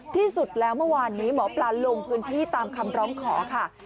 ที่สุดแล้วเมื่อวานนี้หมอปลาลงพื้นที่ตามคำร้องขอค่ะ